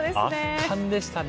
圧巻でしたね。